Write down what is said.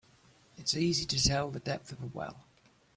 It's easy to tell the depth of a well.